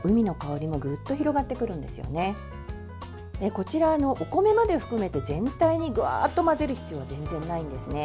こちら、お米まで含めて全体にガーッと混ぜる必要は全然ないんですね。